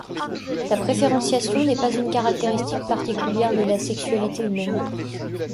La préférenciation n'est pas une caractéristique particulière de la sexualité humaine.